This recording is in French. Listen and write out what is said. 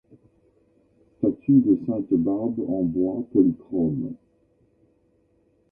Statue de sainte Barbe en bois polychrome.